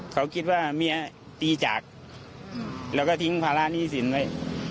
เขาคิดว่าเมียตีจากแล้วก็ทิ้งภาระหนี้สินไว้